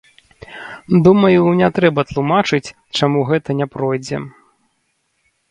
Думаю, не трэба тлумачыць, чаму гэта не пройдзе.